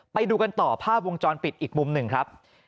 ไปดูกันต่อภาพวงจรปิดอีกมุมหนึ่งครับ